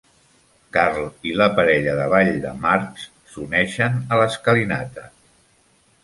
Carl i la parella de ball de Marv s"uneixen a l"escalinata.